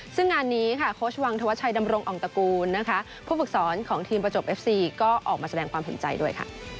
ซึ่งงานนี้โค้ชวังทวชัยดำรงองต์ตะกูลผู้ประจบเอฟซีก็ออกมาแสดงความผิดชอบด้วย